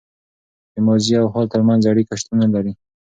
د ماضي او حال تر منځ اړیکه شتون لري.